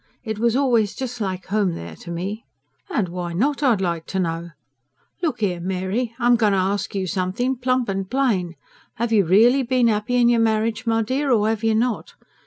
It was always just like home there to me." "And why not, I'd like to know! Look 'ere, Mary, I'm going to ask you something, plump and plain. 'Ave you really been happy in your marriage, my dear, or 'ave you not?